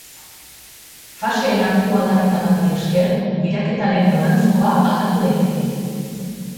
Faseen arteko aldaketa bati esker, biraketaren noranzkoa aldatu daiteke.